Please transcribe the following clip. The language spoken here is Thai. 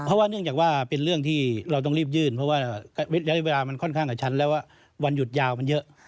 เพราะว่าเนื่องจากว่าเป็นเรื่องที่เราต้องรีบยื่นเพราะว่าระยะเวลามันค่อนข้างกับชัดแล้วว่าวันหยุดยาวมันเยอะ